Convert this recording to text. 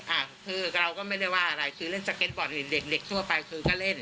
อ่ะคือเราก็ไม่ได้ว่าอะไรคือเล่นสเก็ตบอร์ดเห็นเด็กเด็กทั่วไปคือก็เล่น